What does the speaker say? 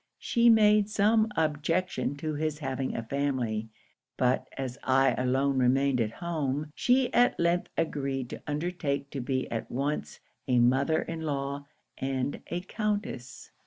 She made some objection to his having a family; but as I alone remained at home, she at length agreed to undertake to be at once a mother in law and a Countess.